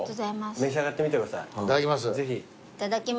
召し上がってみてくださいぜひ。